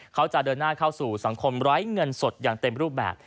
เขาจะเดินหน้าเข้าสู่สังคมไร้เงินสดอย่างเต็มรูปแบบ